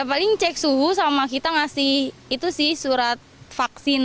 paling cek suhu sama kita ngasih itu sih surat vaksin